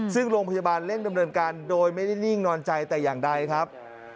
ซึ่งโรงพยาบาลเร่งดำเนินการโดยไม่ได้นิ่งนอนใจแต่อย่างใดครับ